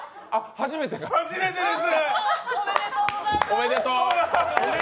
初めてです。